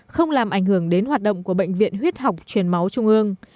không làm ảnh hưởng đến hoạt động của bệnh viện huyết học truyền máu trung ương